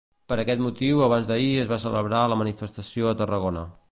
Per aquest motiu abans d'ahir es va celebrar la manifestació a Tarragona.